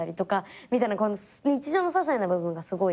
みたいな日常のささいな部分がすごいきつくて。